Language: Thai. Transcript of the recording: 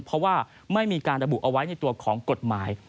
เพราะว่าไม่มีการระบุเอาไว้ในตัวของกฎหมาย